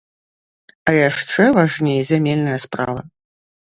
А яшчэ важней зямельная справа.